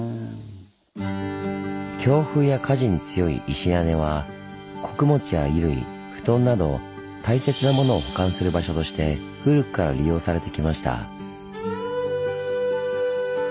強風や火事に強い石屋根は穀物や衣類布団など大切なものを保管する場所として古くから利用されてきました。